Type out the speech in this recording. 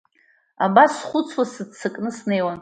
Абас схәыцуа, сыццакны снеиуан.